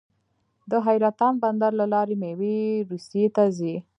د حیرتان بندر له لارې میوې روسیې ته ځي.